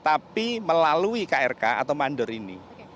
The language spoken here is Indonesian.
tapi melalui krk atau mander ini